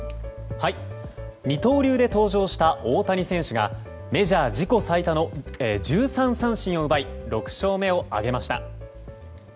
二刀流で登場した大谷選手がメジャー自己最多の１３三振を奪い６勝目を挙げました。